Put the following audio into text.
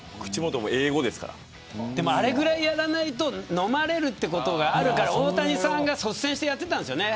でも、あれぐらいやらないと飲まれるということがあるから率先していたんですよね。